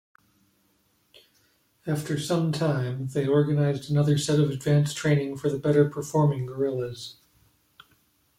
After some time, they organize another set of advanced training for the better-performing guerrillas.